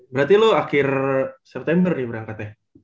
berarti lu akhir september nih berangkat ya